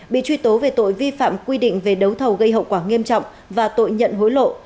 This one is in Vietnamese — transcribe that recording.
bị truy tố về tội vi phạm quy định về đấu thầu gây hậu quả nghiêm trọng và tội nhận hối lộ